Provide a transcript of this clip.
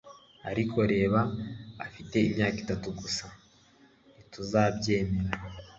ariko reba afite imyaka itatu gusa, ntituzabyemera